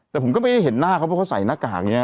แต่ผมก็ไม่ได้เห็นหน้าเขาเพราะเขาใส่หน้ากากอย่างนี้